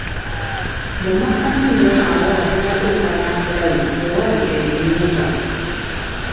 Mu makkati nno awo nga tonnatuuka Naakulabye we wali Eriyumba!